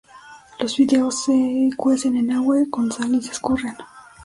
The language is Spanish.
Los fideos se cuecen en agua con sal y se escurren.